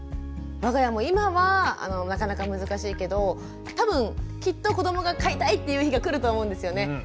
我が家も今はなかなか難しいけど多分きっと子どもが飼いたいっていう日が来ると思うんですよね。